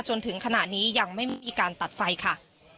จนถึงขณะนี้ยังไม่มีการตัดไฟค่ะ